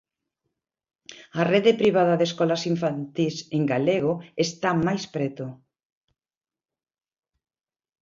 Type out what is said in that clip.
A rede privada de escolas infantís en galego está máis preto.